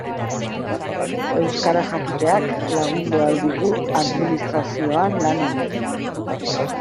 Euskara jakiteak lagundu ahal digu administrazioan lan egiten.